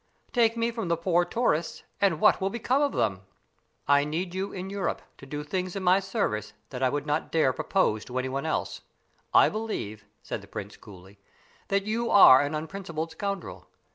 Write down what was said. Take me from the poor tourists, and what will become of them?" "I need you in Europe, to do things in my service that I would not dare propose to anyone else. I believe," said the prince, coolly, "that you are an unprincipled scoundrel.